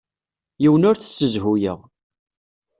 Yiwen ur t-ssezhuyeɣ.